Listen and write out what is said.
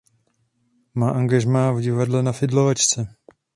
Má angažmá v divadle Na Fidlovačce.